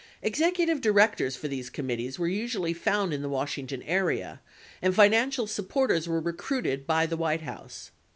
Executive directors for these commit tees were usually found in the Washington area, and financial sup porters were recruited by the White House.